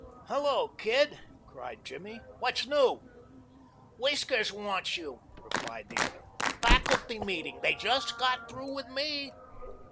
"Hello, Kid!" cried Jimmy. "What's new?" "Whiskers wants you," replied the other. "Faculty meeting. They just got through with me."